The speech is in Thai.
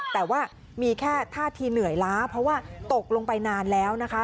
แต่ว่ามีแค่ท่าทีเหนื่อยล้าเพราะว่าตกลงไปนานแล้วนะคะ